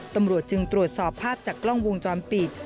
ตำรวจจึงตรวจสอบภาพจากกล้องวงจรปิด